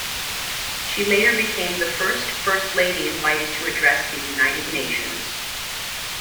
She later became the first First Lady invited to address the United Nations.